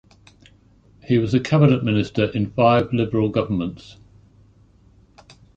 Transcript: He was a cabinet minister in five Liberal governments.